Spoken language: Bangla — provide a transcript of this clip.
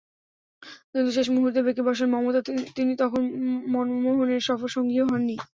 কিন্তু শেষ মুহূর্তে বেঁকে বসেন মমতা, তিনি তখন মনমোহনের সফরসঙ্গীও হননি।